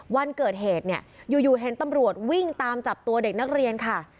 วันเกิดเหตุเนี่ยอยู่เห็นตำรวจวิ่งตามจับตัวเด็กนักเรียนค่ะ